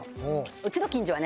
うちの近所はね